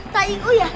kak ibu ya